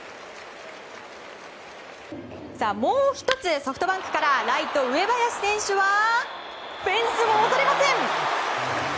もう１つ、ソフトバンクからライト、上林選手はフェンスを恐れません。